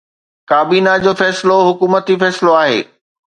ڪابينا جو فيصلو حڪومتي فيصلو آهي.